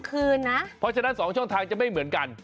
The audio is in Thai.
เพราะฉะนั้น๒ช่องทางจะไม่เหมือนกัน